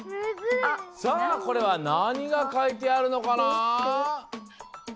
さあこれはなにが書いてあるのかな？